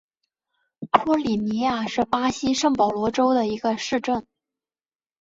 托里尼亚是巴西圣保罗州的一个市镇。